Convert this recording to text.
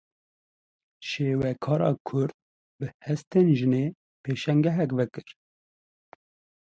Şêwekara Kurd bi hestên jinê pêşangehek vekir.